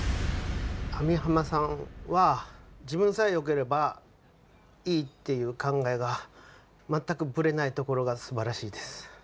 網浜さんは自分さえよければいいっていう考えが全くブレないところがすばらしいです。